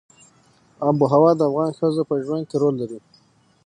آب وهوا د افغان ښځو په ژوند کې رول لري.